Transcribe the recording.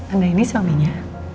anda ini suaminya